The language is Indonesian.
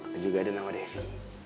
dan juga ada nama devi